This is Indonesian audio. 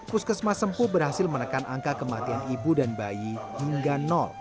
puskesmas sempu berhasil menekan angka kematian ibu dan bayi hingga